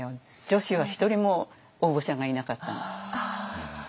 女子は１人も応募者がいなかった最初ね。